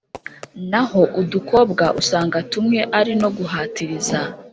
Naho udukobwa usanga tumwe ari noguhatiriza